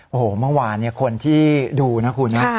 โอ้โหมันวานเนี่ยคนที่ดูนะคุณนะ